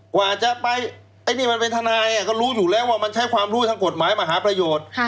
กว่าจะไปไอ้นี่มันเป็นทนายก็รู้อยู่แล้วว่ามันใช้ความรู้ทางกฎหมายมหาประโยชน์